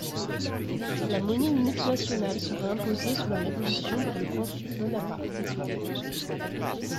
La monnaie unique nationale sera imposée sous la Révolution par le consul Bonaparte.